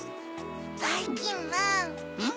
ばいきんまん。